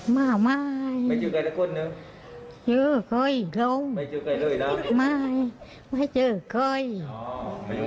ไม่เจอกับใคร